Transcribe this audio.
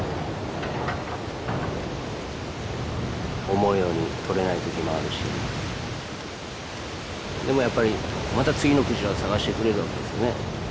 思うように獲れない時もあるしでもやっぱりまた次の鯨を探してくれるわけですよね。